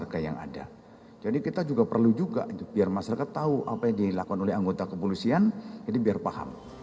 kita juga perlu juga biar masyarakat tahu apa yang dilakukan oleh anggota kepolisian ini biar paham